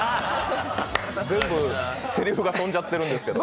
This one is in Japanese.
全部、せりふが飛んじゃってるんですけど。